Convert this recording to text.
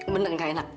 benar gak enak